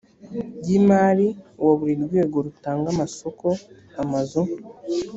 y imali wa buri rwego rutanga amasoko amazu